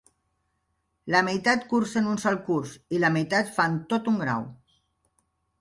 La meitat cursen un sol curs i la meitat fan tot un grau.